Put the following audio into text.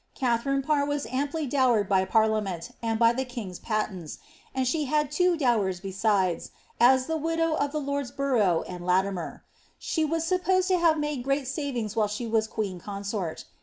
Katharine Parr was amply dowered by parliament, and by the king's patents; and she had two dowers be iMies, as the widow of the lords Borough, and Latimer. She was sup posed to have made great savings while she was queen consort.